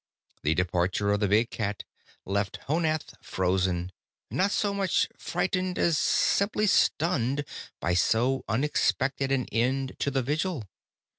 The departure of the big cat left Honath frozen, not so much frightened as simply stunned by so unexpected an end to the vigil.